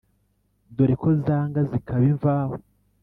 Dore ko zanga zikaba imvaho.